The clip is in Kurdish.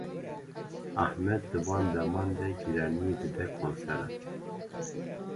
Ahmet di van deman de giraniyê dide konseran.